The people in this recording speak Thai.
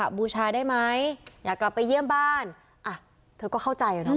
บูชาได้ไหมอยากกลับไปเยี่ยมบ้านอ่ะเธอก็เข้าใจอ่ะเนอ